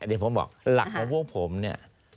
เดี๋ยวผมบอกหลักของพวกผมเนี่ย